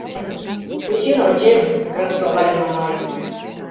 — Тӧчен ончем, — рыҥ шогале Мамаев.